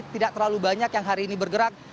tidak terlalu banyak yang hari ini bergerak